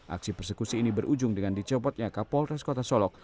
aksi persekusi ini berujung dengan dicopotnya kapolres kota solok